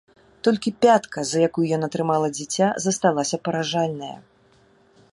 Толькі пятка, за якую яна трымала дзіця, засталася паражальная.